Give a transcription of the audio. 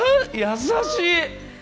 優しい！